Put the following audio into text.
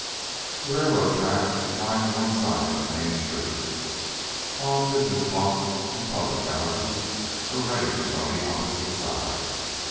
The railroad track lined one side of the main street, while business blocks and public houses were ranged on the opposite side.